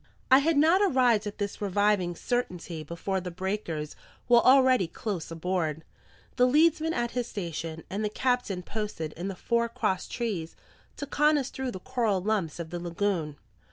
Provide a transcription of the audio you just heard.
I had not arrived at this reviving certainty before the breakers were already close aboard, the leadsman at his station, and the captain posted in the fore cross trees to con us through the coral lumps of the lagoon.